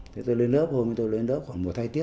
thì tôi lên lớp hôm thì tôi lên lớp khoảng mùa thay tiết